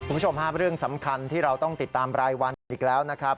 คุณผู้ชมฮะเรื่องสำคัญที่เราต้องติดตามรายวันกันอีกแล้วนะครับ